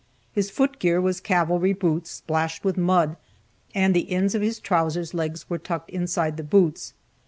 His foot gear was cavalry boots, splashed with mud, and the ends of his trousers' legs were tucked inside the boots.